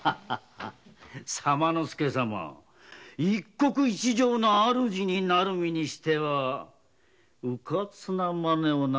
左馬助様一国一城の主になる身にしてはうかつな真似をなさいますな。